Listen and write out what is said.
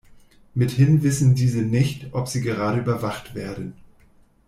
Mithin wissen diese nicht, ob sie gerade überwacht werden.